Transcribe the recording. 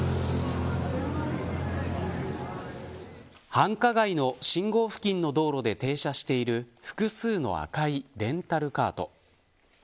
繁華街の信号付近の道路で停車している複数の赤いレンタルカート。